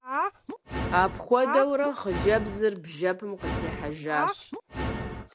Апхуэдэурэ хъыджэбзыр бжьэпэм къытехьэжащ.